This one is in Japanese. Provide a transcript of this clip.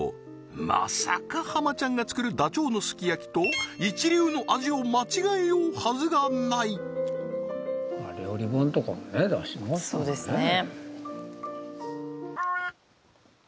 まさか浜ちゃんが作るダチョウのすき焼きと一流の味を間違えようはずがないそうですね